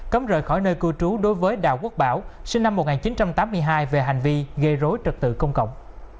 cấm rời khỏi nơi cư trú đối với đào quốc bảo sinh năm một nghìn chín trăm tám mươi hai về hành vi gây rối trật tự công cộng